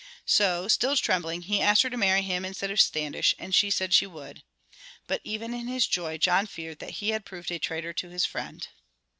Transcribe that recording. So, still trembling, he asked her to marry him instead of Standish, and she said she would. But even in his joy John feared that he had proved a traitor to his friend.